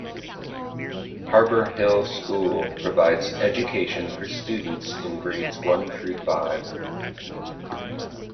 Harbor Hill School provides education for students in grades one through five.